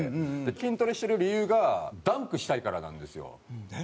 筋トレしてる理由がダンクしたいからなんですよ。